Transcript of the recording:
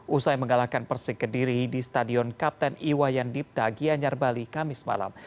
usai mengalahkan persik kediri di stadion kapten iwayandip tagianyar bali kamis malam